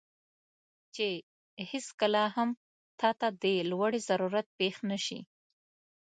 چې هیڅکله هم تاته د لوړې ضرورت پېښ نه شي،